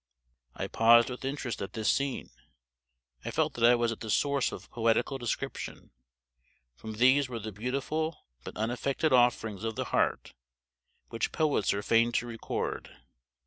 I paused with interest at this scene: I felt that I was at the source of poetical description, for these were the beautiful but unaffected offerings of the heart which poets are fain to record.